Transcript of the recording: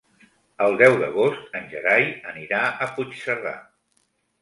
El deu d'agost en Gerai anirà a Puigcerdà.